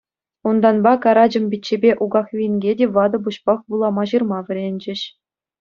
Унтанпа Карачӑм пиччепе Укахви инке те ватӑ пуҫпах вулама-ҫырма вӗренчӗҫ.